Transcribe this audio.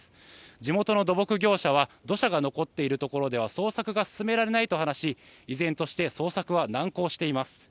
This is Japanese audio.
地元の土木業者は土砂が残っているところでは捜索が進められないと話し依然として捜索は難航しています。